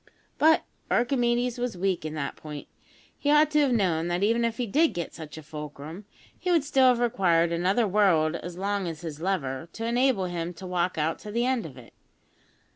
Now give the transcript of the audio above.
But Archimedes was weak in that point. He ought to have known that, even if he did get such a fulcrum, he would still have required another world as long as his lever, to enable him to walk out to the end of it.